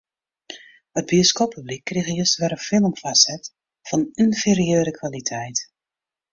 It bioskooppublyk krige juster wer in film foarset fan ynferieure kwaliteit.